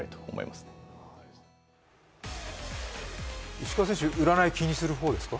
石川選手、占い、気にする方ですか？